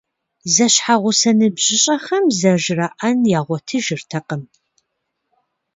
Зэщхьэгъусэ ныбжьыщӏэхэм зэжраӏэн ягъуэтыжыртэкъым.